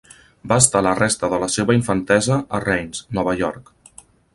Va estar la resta de la seva infantesa a Reines, Nova York.